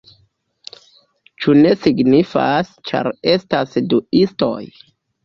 Ĉu ne signifas, ĉar estas du istoj?